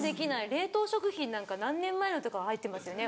冷凍食品なんか何年前のとか入ってますよね